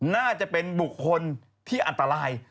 น่าจะเป็นบุคคลที่อันตราย